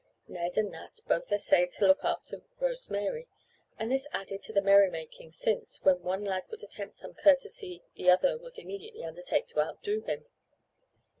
Ned and Nat both essayed to look after Rose Mary, and this added to the merry making, since, when one lad would attempt some courtesy the other would immediately undertake to outdo him.